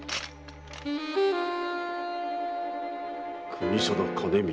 国定兼光。